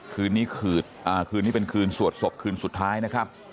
คืนนี้เป็นคืนสวดศพคืนสุดท้ายนะครับ